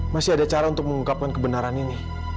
masih ada cara untuk mengungkapkan kebenaran ini